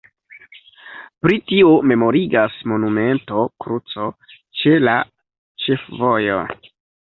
Pri tio memorigas monumento kruco ĉe la ĉefvojo.